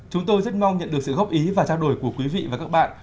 chúng tôi rất mong nhận được sự góp ý và trao đổi của quý vị và các bạn